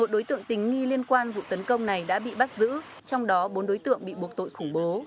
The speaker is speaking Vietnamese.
một mươi đối tượng tình nghi liên quan vụ tấn công này đã bị bắt giữ trong đó bốn đối tượng bị buộc tội khủng bố